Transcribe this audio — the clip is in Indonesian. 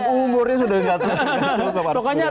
umurnya sudah kata